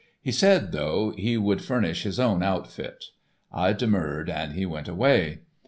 He said, though, he would furnish his own outfit. I demurred and he went away.